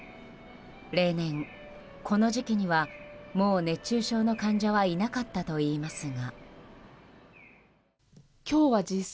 例年、この時期にはもう熱中症の患者はいなかったといいますが。